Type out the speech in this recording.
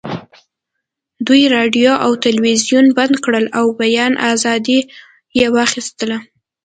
دوی راډیو او تلویزیون بند کړل او بیان ازادي یې واخیسته